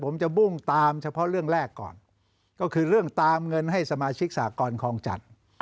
ผมจะมุ่งตามเฉพาะเรื่องแรกก่อนก็คือเรื่องตามเงินให้สมาชิกสากรคลองจัด